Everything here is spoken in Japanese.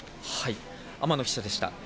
天野記者でした。